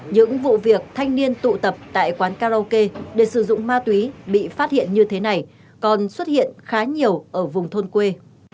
những vụ việc thanh niên tụ tập tại quán karaoke để sử dụng ma túy bị phát hiện như thế này còn xuất hiện khá nhiều ở vùng thôn quê